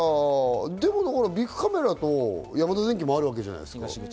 でもビックカメラとヤマダ電機もあるわけじゃない。